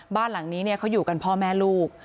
บ้านหลังนี้เขาอยู่กันพ่อแม่ลูก